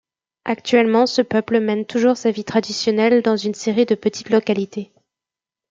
Actuellement ce peuple mène toujours sa vie traditionnelle dans une série de petites localités.